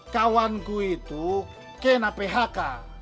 kawanku itu kena phk